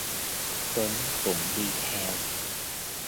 Tuấn cũng đi theo